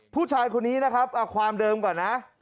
ผู้ชายคนนี้นะครับเอาความเดิมก่อนนะ